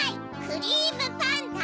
クリームパンダ！